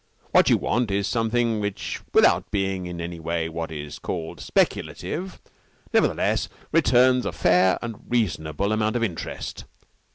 What you want is something which, without being in any way what is called speculative, nevertheless returns a fair and reasonable amount of interest.